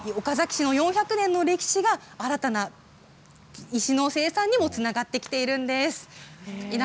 岡崎市の４００年の歴史が新たな石の生産にもつながっています。